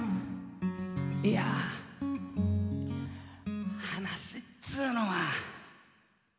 いや話っつうのは。